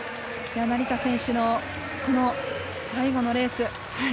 成田選手の最後のレース。